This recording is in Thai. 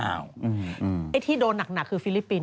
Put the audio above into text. ไอ้ที่โดนหนักคือฟิลิปปินส